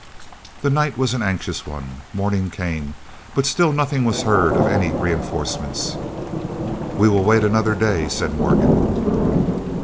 The night was an anxious one. Morning came, but still nothing was heard of any reinforcements. "We will wait another day," said Morgan.